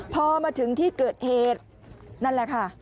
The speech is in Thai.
พอมาถึงที่เกิดเหตุนั่นแหละค่ะ